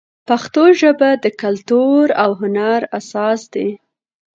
پښتو ژبه د کلتور او هنر اساس دی.